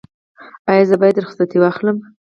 ایا زه باید رخصتي واخلم؟